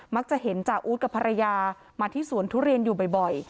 จะเห็นจ่าอู๊ดกับภรรยามาที่สวนทุเรียนอยู่บ่อย